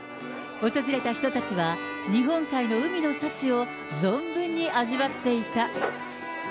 訪れた人たちは、日本海の海の幸を存分に味わっていた。